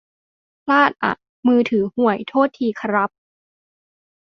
พลาดอ่ะ มือถือห่วย โทษทีครับ